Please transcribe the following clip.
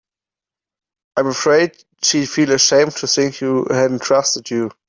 I'm afraid she'd feel ashamed to think she hadn't trusted you.